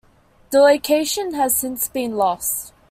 The location has since been lost.